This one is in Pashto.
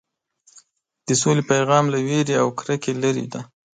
د سولې پیغام له وېرې او کرکې لرې دی.